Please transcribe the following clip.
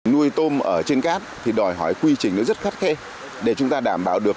nuôi tôm ở trên cát thì đòi hỏi quy trình rất khắc khe để chúng ta đảm bảo được